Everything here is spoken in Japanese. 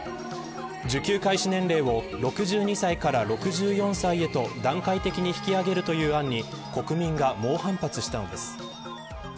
受給開始年齢を６２歳から６４歳へと段階的に引き上げるという案に国民が猛反発したのです。